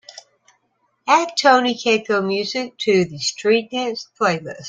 Add Tony Kakko music to Street Dance playlist